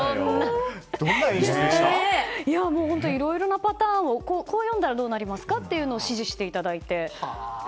いろいろなパターンをこう読んだらどうなりますか？と指示していただいて。